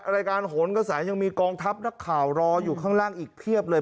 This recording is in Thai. รายการโหนกระแสยังมีกองทัพนักข่าวรออยู่ข้างล่างอีกเพียบเลย